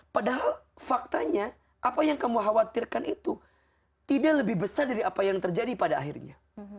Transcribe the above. padahal faktanya apa yang kamu khawatirkan itu tidak lebih besar dari apa yang terjadi pada akhirnya